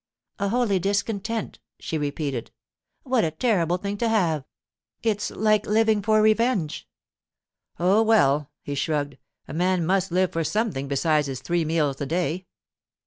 'A holy discontent,' she repeated. 'What a terrible thing to have! It's like living for revenge.' 'Oh, well,' he shrugged, 'a man must live for something besides his three meals a day.